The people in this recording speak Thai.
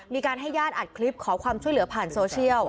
มีการให้ญาติอัดคลิปขอความช่วยเหลือผ่านโซเชียล